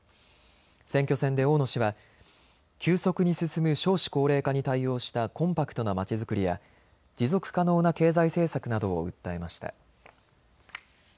選挙戦で大野氏は急速に進む少子高齢化に対応したコンパクトなまちづくりや持続可能な経済政策などを訴えました。